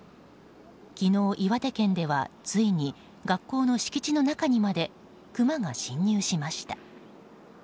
昨日、岩手県ではついに学校の敷地の中にまでクマが侵入しました。